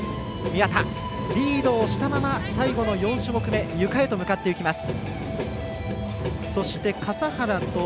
宮田リードをしたまま最後の４種目めゆかへと向かっていきます。